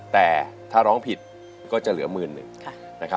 แต่ถ้าร้องผิดก็จะเหลือหมื่นหนึ่ง